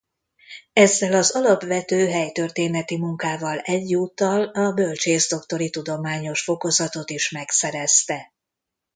Ezzel az alapvető helytörténeti munkával egyúttal a bölcsészdoktori tudományos fokozatot is megszerezte.